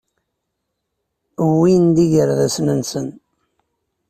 Wwin-d igerdasen-nsen.